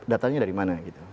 datanya dari mana gitu